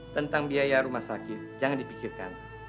tentang biaya rumah sakit jangan dipikirkan